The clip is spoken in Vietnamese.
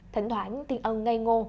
thỉnh thoảng tiên ân ngây ngô